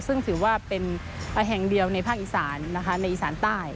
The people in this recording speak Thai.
ซึ่งถือว่าเป็นแห่งเดียวในภาคอีสานนะคะในอีสานใต้